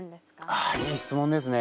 あいい質問ですね。